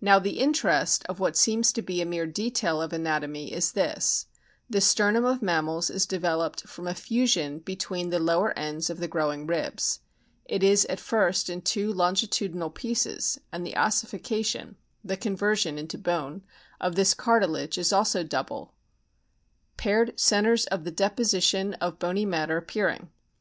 Now the interest of what seems to be a mere detail of anatomy is this : the sternum of mammals is developed from a fusion between the lower ends of the growing ribs ; it is at first in two longitudinal pieces, and the ossification the con version into bone of this cartilage is also double, paired centres of the deposition of bony matter appearing.